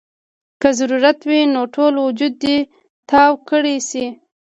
کۀ ضرورت وي نو ټول وجود دې تاو کړے شي -